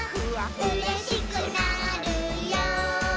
「うれしくなるよ」